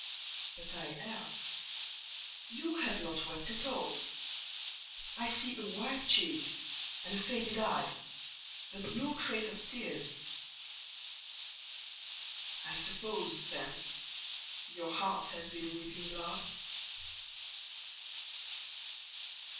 But I err: you have not wept at all! I see a white cheek and a faded eye, but no trace of tears. I suppose, then, your heart has been weeping blood?"